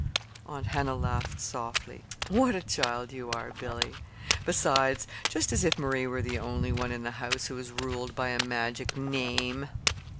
Aunt Hannah laughed softly. "What a child you are, Billy! Besides, just as if Marie were the only one in the house who is ruled by a magic name!"